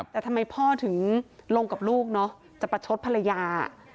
แต่ทำไมพ่อถึงลงกับลูกเนอะจะประชดภรรยา